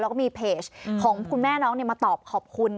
แล้วก็มีเพจของคุณแม่น้องมาตอบขอบคุณ